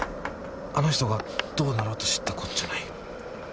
あの人がどうなろうと知ったこっちゃない。